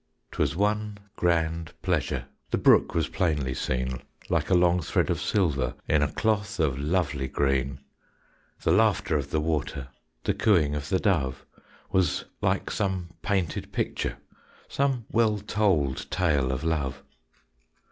'Twas one grand pleasure; The brook was plainly seen, Like a long thread of silver In a cloth of lovely green; The laughter of the water, The cooing of the dove, Was like some painted picture, Some well told tale of love.